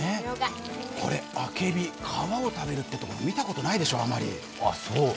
これあけび、皮を食べるって見たことないでしょ。